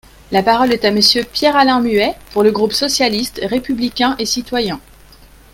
La parole est à Monsieur Pierre-Alain Muet, pour le groupe socialiste, républicain et citoyen.